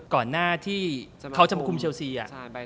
ก่อนหน้าที่เขาจะมาคุมเชลซี